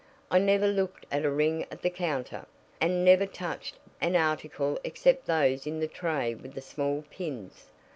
I never looked at a ring at the counter, and never touched an article except those in the tray with the small pins.